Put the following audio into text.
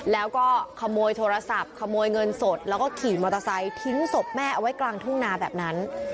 แล้วก็ขโมยโทรศัพท์ขโมยเงินสดแล้วก็ขี่มอเตอร์ไซค์ทิ้งศพแม่เอาไว้กลางทุ่งนาแบบนั้น